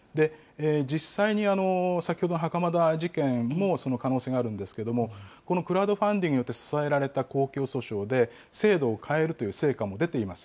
実際に先ほどの袴田事件もその可能性があるんですけれども、このクラウドファンディングで支えられたこうきょう訴訟で、制度を変えるという成果も出ています。